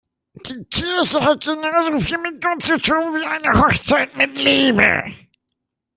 Die Kirche hat genauso viel mit Gott zu tun wie eine Hochzeit mit Liebe.